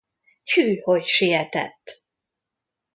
Tyű, hogy sietett!